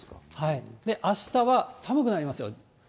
あしたは寒くなりますよ。